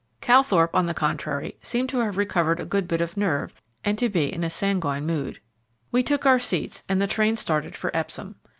Calthorpe, on the contrary, seemed to have recovered a good bit of nerve, and to be in a sanguine mood. We took our seats, and the train started for Epsom.